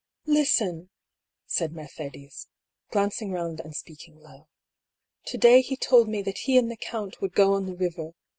" Listen !" said Mercedes, glancing round and speak ing low. " To day he told me that he and the count would go on the river.